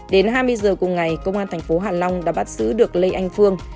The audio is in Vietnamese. đến hai mươi giờ cùng ngày công an thành phố hạ long đã bắt giữ được lê anh phương